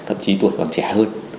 thậm chí tuổi còn trẻ hơn